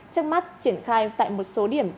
trước mắt triển khai tại một số điểm